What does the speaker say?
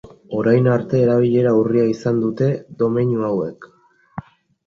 Orain arte erabilera urria izan dute domeinu hauek.